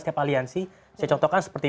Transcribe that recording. setiap aliansi saya contohkan seperti